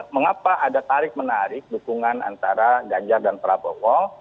mengapa ada tarik menarik dukungan antara ganjar dan prabowo